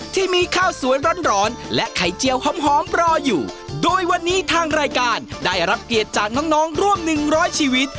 ที่มีข้าวสวยร้อนร้อนและไข่เจียวหอมรออยู่โดยวันนี้ทางรายการได้รับเกียรติจากน้องน้องร่วมหนึ่งร้อยชีวิต